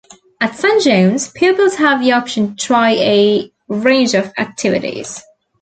At Saint John's, pupils have the option to try a range of activities.